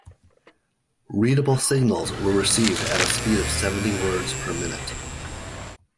Readable signals were received at a speed of seventy words per minute.